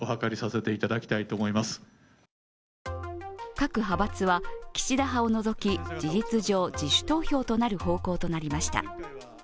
各派閥は岸田派を除き、事実上、自主投票となる方向となりました。